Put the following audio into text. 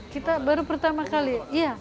kita baru pertama kali